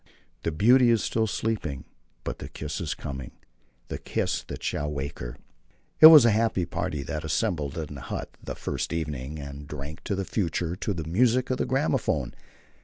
The Beauty is still sleeping, but the kiss is coming, the kiss that shall wake her! It was a happy party that assembled in the hut the first evening, and drank to the future to the music of the gramophone.